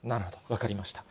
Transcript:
分かりました。